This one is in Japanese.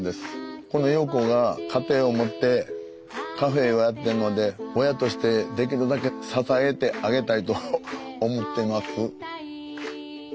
この優子が家庭を持ってカフェをやってるので親としてできるだけ支えてあげたいと思ってます。